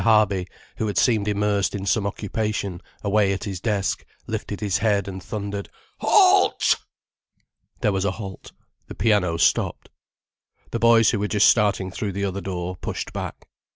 Harby, who had seemed immersed in some occupation, away at his desk, lifted his head and thundered: "Halt!" There was a halt, the piano stopped. The boys who were just starting through the other door, pushed back.